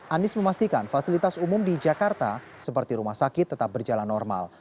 anies memastikan fasilitas umum di jakarta seperti rumah sakit tetap berjalan normal